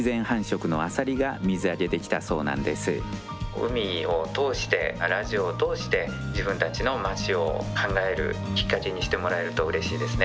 海を通して、ラジオを通して自分たちの町を考えるきっかけになってもらえるとうれしいですね。